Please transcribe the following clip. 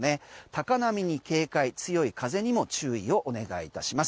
高波に警戒、強い風にも注意をお願いいたします。